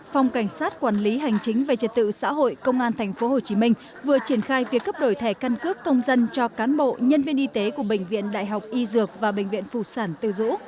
phòng cảnh sát quản lý hành chính về trật tự xã hội công an tp hcm vừa triển khai việc cấp đổi thẻ căn cước công dân cho cán bộ nhân viên y tế của bệnh viện đại học y dược và bệnh viện phù sản tư dũ